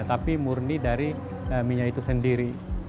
tapi murni dari minyak itu sendiri